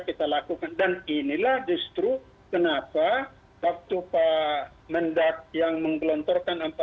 kita lakukan dan inilah justru kenapa waktu pak mendak yang menggelontorkan